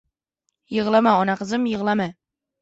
— Yig‘lama, ona qizim, yig‘lama.